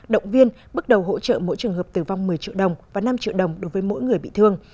động viên bước đầu hỗ trợ mỗi trường hợp tử vong một mươi triệu đồng và năm triệu đồng đối với mỗi người bị thương